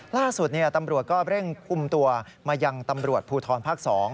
ล่าสุดตำรวจก็เร่งคุมตัวมายังตำรวจภูทรภาค๒